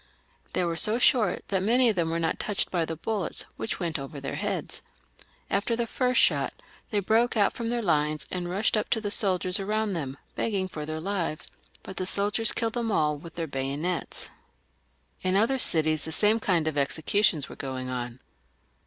They were so short that many of them were not touched by the bullets, which went over their heads. After the first shot they broke out from their lines and rushed up to the soldiers round them, begging for their lives ; but the soldiers killed them all with their bayonets. 416 THE REVOLUTION. [CH. In other cities the same kind of executions were going on.